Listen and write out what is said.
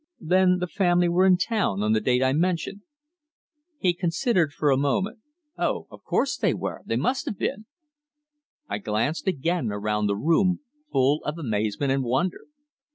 "Then the family were in town on the date I mention." He considered a moment. "Oh! Of course they were. They must have been." I glanced again around the room, full of amazement and wonder.